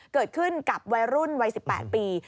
เกิดขึ้นกับวัยรุ่นวัย๑๘ปี